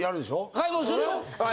買いもんするよ。